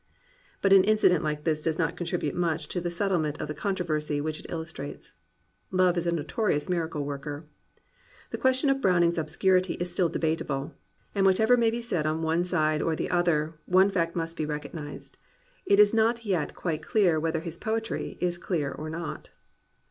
But an incident like this does not contribute much to the settlement of the controversy which it illus trates. Love is a notorious miracle worker. The question of Browning's obscurity is still debatable; and whatever may be said on one side or the other, one fact must be recognized : it is not yet quite clear whether his poetry is clear or not.